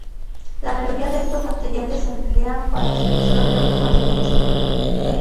La mayoría de estos materiales se emplean para sujeción de otros materiales.